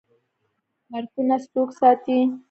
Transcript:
پارکونه څوک ساتي؟